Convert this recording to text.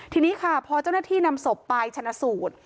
ทีนี้ค่ะพอเจ้าหน้าที่นำศพไปชนะสูตร